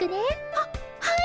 はっはい！